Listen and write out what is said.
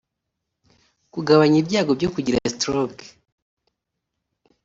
kugabanya ibyago byo kugira stroke